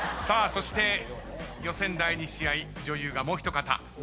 さあそして予選第２試合女優がもうひと方。